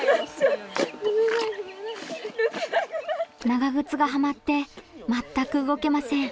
長靴がはまって全く動けません。